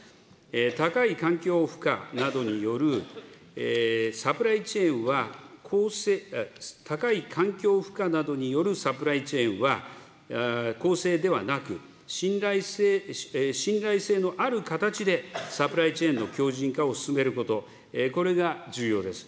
高い環境負荷などによるサプライチェーンは、高い環境負荷などによるサプライチェーンは、こうせいではなく、信頼性のある形でサプライチェーンの強じん化を進めること、これが重要です。